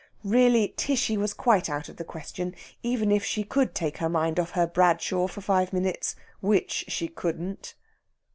Really, Tishy was quite out of the question, even if she could take her mind off her Bradshaw for five minutes, which she couldn't.